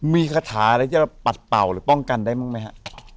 มีคาถาอะไรที่จะปัดเป่าหรือป้องกันได้บ้างไหมฮะ